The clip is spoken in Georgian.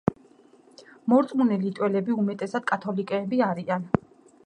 მორწმუნე ლიტველები უმეტესად კათოლიკეები არიან.